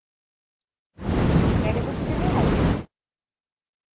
¿Quere vostede algo?